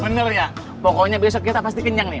bener ya pokoknya besok kita pasti kenyang nih